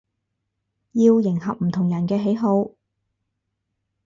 要迎合唔同人嘅喜好